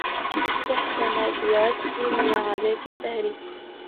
وَاسْتَحْسَنَ بِالْعُرْفِ مِنْ عَادَاتِ دَهْرِهِ